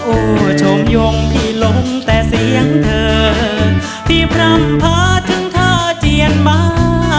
โว้ยโชนยงพี่ลงแต่เสียงเธอพี่พรัมภาถึงท่าเจียนมา